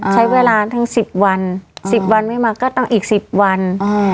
ใช้เวลาทั้งสิบวันสิบวันไม่มาก็ต้องอีกสิบวันอ่า